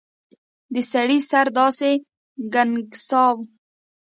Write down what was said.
د سړي سر داسې ګنګساوه.